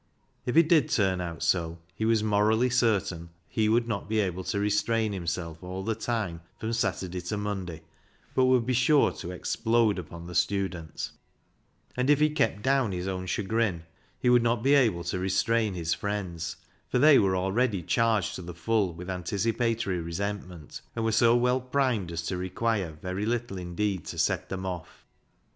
If it did turn out so, he was morally certain he would not be able to restrain himself all the time from Saturday to Monday, but would be sure to explode upon the student. 22 BECKSIDE LIGHTS And if he kept down his own chagrin, he would not be able to restrain his friends, for they were already charged to the full with anticipatory resentment, and were so well primed as to require very little indeed. to set them off.